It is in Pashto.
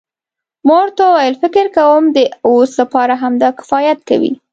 ما ورته وویل فکر کوم د اوس لپاره همدا کفایت کوي.